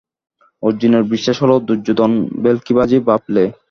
অর্জুনের বিশ্বাস হল, দুর্যোধন ভেল্কিবাজী ভাবলে।